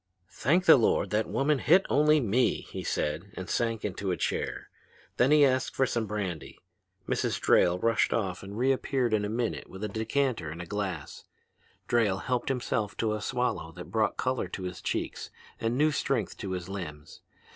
"'Thank the Lord that woman hit only me!' he said, and sank into a chair. Then he asked for some brandy. Mrs. Drayle rushed off and reappeared in a minute with a decanter and glass. Drayle helped himself to a swallow that brought color to his cheeks and new strength to his limbs.